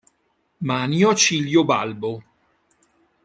Manio Acilio Balbo